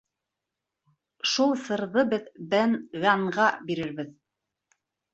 Шул сырҙы беҙ Бен Ганнға бирербеҙ!